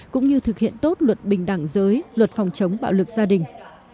cũng như thực hiện tốt luật bình đẳng giới luật phòng chống bạo lực gia đình